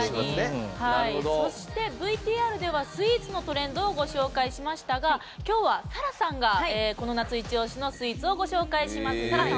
そして、ＶＴＲではスイーツのトレンドをご紹介しましたがきょうは、紗蘭さんがこの夏イチオシのスイーツをご紹介します。